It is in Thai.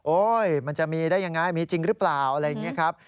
มันจะมีได้ยังไงมีจริงหรือเปล่าอะไรอย่างนี้ครับ